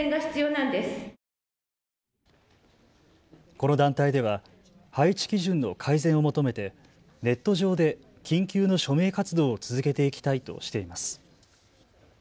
この団体では配置基準の改善を求めてネット上で緊急の署名活動を続けていきたいとしています。